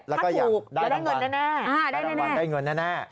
ถ้าถูกจะได้เงินแน่ค่ะได้แน่ค่ะได้รำวังได้เงินแน่